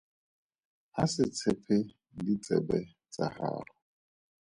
A se tshepe ditsebe tsa gagwe.